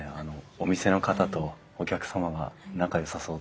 お店の方とお客様が仲よさそうで。